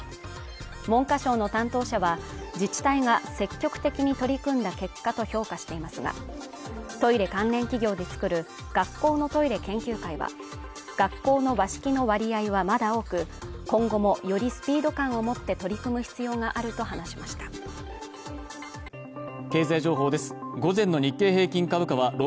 文科省の担当者は自治体が積極的に取り組んだ結果と評価していますがトイレ関連企業でつくる学校のトイレ研究会は学校の和式の割合はまだ多く今後もよりスピード感を持って取り組む必要があると話しました女性）